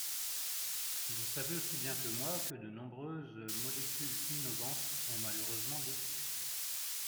Vous savez aussi bien que moi que de nombreuses molécules innovantes ont malheureusement déçu.